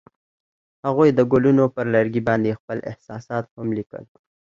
هغوی د ګلونه پر لرګي باندې خپل احساسات هم لیکل.